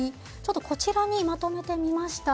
こちらにまとめてみました。